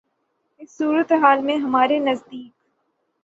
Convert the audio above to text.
اس صورتِ حال میں ہمارے نزدیک